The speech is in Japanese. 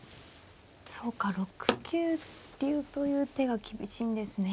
そうか６九竜という手が厳しいんですね。